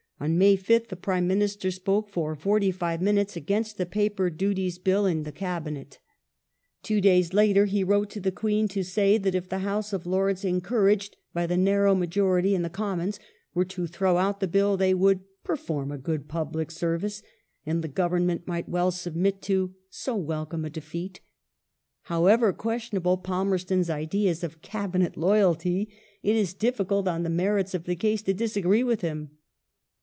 '^ On May 5th the Prime Minister spoke for forty five minutes against the Paper Duties Bill in 1 NineteeJtth Century, February, 1880. 2 cf. Morley, Gladstone, ii. 30. 330 THE RULE OF LORD PALMERSTON [1860 the Cabinet. Two days later he wrote to the Queen to say that if the House of Lords, encouraged by the narrow majority in the Commons, were to throw out the Bill they would " perform a good public service," and "the Government might well submit to so welcome a defeat "^ However questionable Palmerston's ideas of Cabinet loyalty, it is difficult, on the merits of the case, to disagree with him.